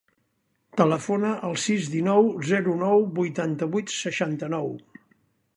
Telefona al sis, dinou, zero, nou, vuitanta-vuit, seixanta-nou.